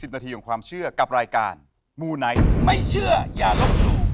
นาทีของความเชื่อกับรายการมูไนท์ไม่เชื่ออย่าลบหลู่